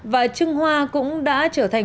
và trưng hoa cũng đã trở thành